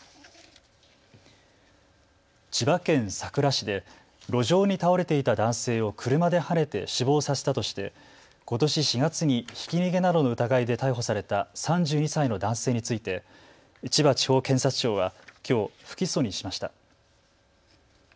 千葉県佐倉市で路上に倒れていた男性を車ではねて死亡させたとして、ことし４月にひき逃げなどの疑いで逮捕された３２歳の男性について千葉地方検察庁はきょう不起訴にしました。